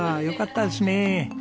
よかったですねえ。